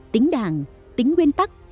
tính đàng tính nguyên tắc